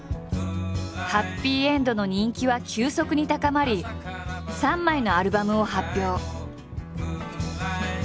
はっぴいえんどの人気は急速に高まり３枚のアルバムを発表。